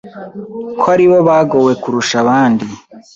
ko aribo bagowe kurusha abandi